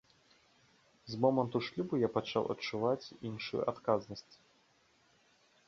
З моманту шлюбу я пачаў адчуваць іншую адказнасць.